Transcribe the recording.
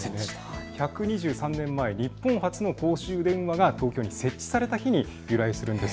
１２３年前、日本初の公衆電話が東京に設置された日に由来するんです。